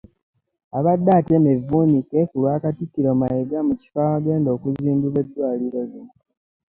Abadde atema evvuunike ku lwa Katikkiro Mayiga mu kifo awagenda okuzimbibwa eddwaliro lino.